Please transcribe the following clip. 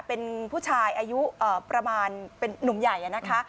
เป็นผู้ชายอายุประมาณเป็นนุ่มใหญ่นะคะ